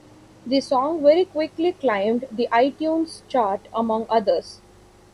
The song very quickly climbed the iTunes chart among others.